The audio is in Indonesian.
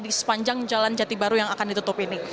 di sepanjang jalan jati baru yang akan ditutup ini